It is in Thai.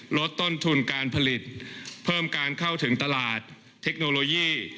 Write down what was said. ลดต้นทุนการผลิตเพิ่มการเข้าถึงตลาดเทคโนโลยี